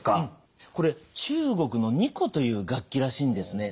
これ中国の二胡という楽器らしいんですね。